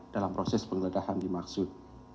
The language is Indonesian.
dalam proses pengledahan dimaksud